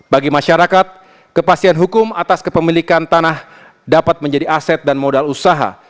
bagi masyarakat kepastian hukum atas kepemilikan tanah dapat menjadi aset dan modal usaha